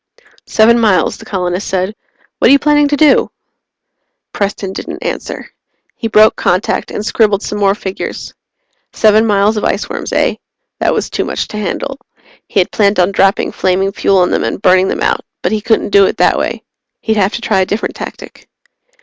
"Seven miles," the colonist said. "What are you planning to do?" Preston didn't answer. He broke contact and scribbled some more figures. Seven miles of iceworms, eh? That was too much to handle. He had planned on dropping flaming fuel on them and burning them out, but he couldn't do it that way. He'd have to try a different tactic.